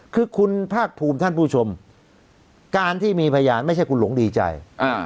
คือคุณภาคภูมิท่านผู้ชมการที่มีพยานไม่ใช่คุณหลงดีใจอ่า